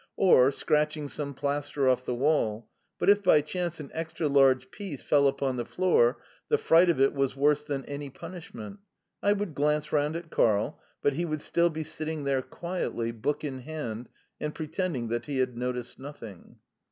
Or scratching some plaster off the wall; but if by chance an extra large piece fell upon the floor, the fright of it was worse than any punishment. I would glance round at Karl, but he would still be sitting there quietly, book in hand, and pretending that he had noticed nothing.